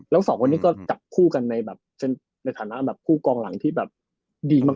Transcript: แล้วสองคนนี้ก็กับผู้กันในฐานะผู้กองหลังที่ดีมาก